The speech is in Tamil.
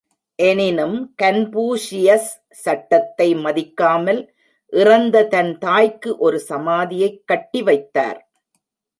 எனினும் கன்பூஷியஸ் சட்டத்தை மதிக்காமல் இறந்த தன் தாய்க்கு ஒரு சமாதியைக் கட்டிவைத்தார்.